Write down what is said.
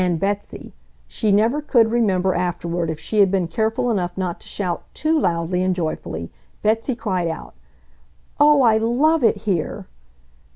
And Betsy—she never could remember afterward if she had been careful enough not to shout too loudly and joyfully—Betsy cried out, "Oh, I LOVE it here!"